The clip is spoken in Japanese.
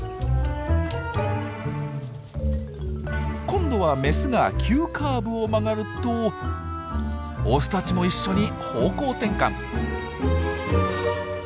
今度はメスが急カーブを曲がるとオスたちも一緒に方向転換。